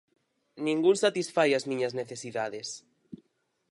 Ningún satisfai as miñas necesidades